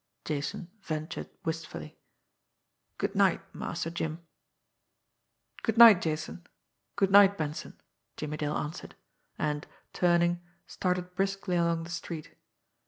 Jason ventured wistfully. "Good night, Master Jim!" "Good night, Jason good night, Benson!" Jimmie Dale answered and, turning, started briskly along the street.